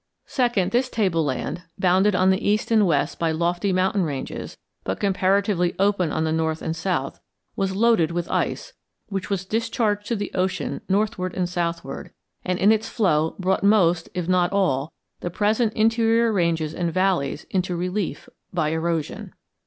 Second, this tableland, bounded on the east and west by lofty mountain ranges, but comparatively open on the north and south, was loaded with ice, which was discharged to the ocean northward and southward, and in its flow brought most, if not all, the present interior ranges and valleys into relief by erosion.